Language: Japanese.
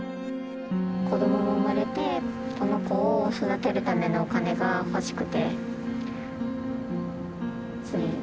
子どもも生まれてこの子を育てるためのお金が欲しくて。